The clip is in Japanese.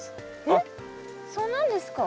えっそうなんですか？